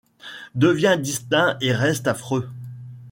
Devient distinct, et reste affreux.